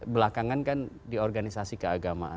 belakangan kan di organisasi keagamaan